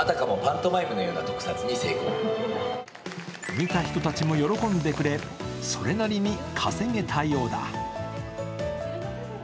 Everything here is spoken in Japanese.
見た人たちも喜んでくれ、それなりに稼げたようだ。